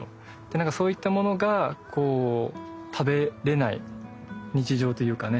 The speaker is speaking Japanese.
なんかそういったものがこう食べれない日常というかね。